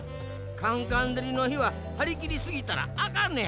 カンカンでりのひははりきりすぎたらあかんのや！